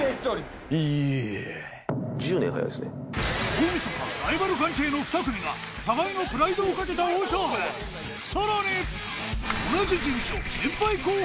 大晦日ライバル関係の２組が互いのプライドを懸けた大勝負さらに！